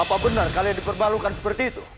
apa benar kalian diperbalukan seperti itu